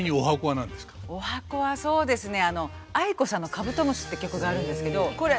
十八番はそうですね